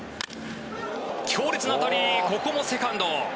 強烈な当たりここもセカンド。